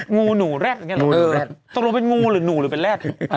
งูหนูแรดอย่างนี้หรอตรงนั้นเป็นงูหรือหนูหรือเป็นแรด